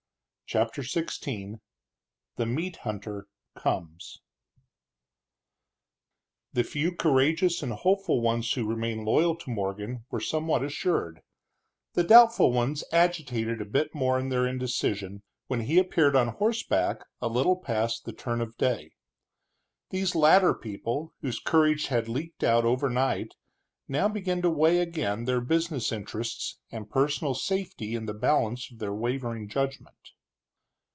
CHAPTER XVI THE MEAT HUNTER COMES The few courageous and hopeful ones who remained loyal to Morgan were somewhat assured, the doubtful ones agitated a bit more in their indecision, when he appeared on horseback a little past the turn of day. These latter people, whose courage had leaked out overnight, now began to weigh again their business interests and personal safety in the balance of their wavering judgment.